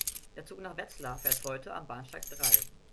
Der Zug nach Wetzlar fährt heute am Bahnsteig drei